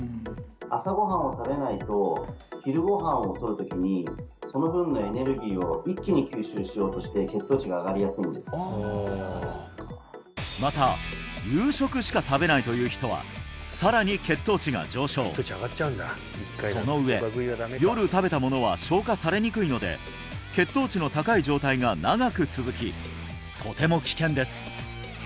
朝ご飯を食べないと昼ご飯を取る時にその分のエネルギーを一気に吸収しようとして血糖値が上がりやすいんですまた夕食しか食べないという人はさらに血糖値が上昇その上夜食べたものは消化されにくいので血糖値の高い状態が長く続きとても危険です